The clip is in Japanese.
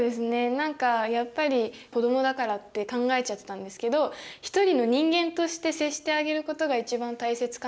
何かやっぱり子どもだからって考えちゃってたんですけど一人の人間として接してあげることが一番大切かなって今日学びました。